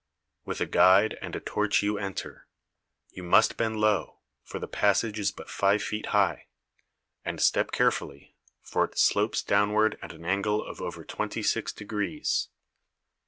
With a guide and a torch you enter. You must bend low, for the passage is but five feet high, and step carefully, for it slopes downward at an angle of over twenty six degrees.